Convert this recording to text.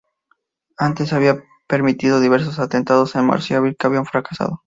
Antes había permitido diversos atentados en marzo y abril, que habían fracasado.